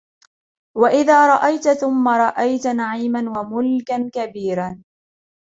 وإذا رأيت ثم رأيت نعيما وملكا كبيرا